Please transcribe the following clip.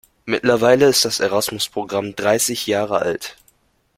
Mittlerweile ist das Erasmus-Programm dreißig Jahre alt.